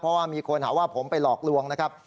เพราะว่ามีคนหาว่าผมไปหลอกลวงนะครับ